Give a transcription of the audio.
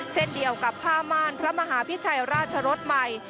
เช่นเดียวกับผ้าม่านพระมหาพิชัยราชรสใหม่